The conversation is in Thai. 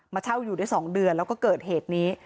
เช่าอยู่ได้๒เดือนแล้วก็เกิดเหตุนี้